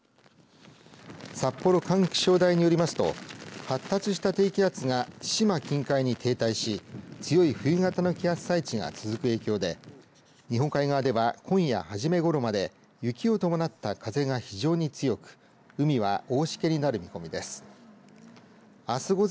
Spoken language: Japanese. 札幌管区気象台によりますと発達した低気圧が千島近海に停滞し強い冬型の気圧配置が続く影響で日本海側では今夜はじめごろまで雪を伴った風が非常に強く海は大しけになる見込みです。